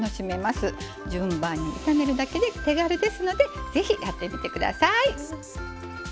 順番に炒めるだけで手軽ですのでぜひやってみてください。